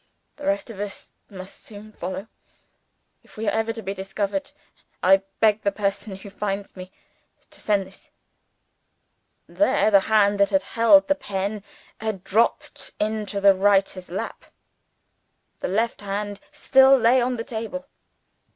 The rest of us must soon follow. If we are ever discovered, I beg the person who finds me to send this ' "There the hand that held the pen had dropped into the writer's lap. The left hand still lay on the table.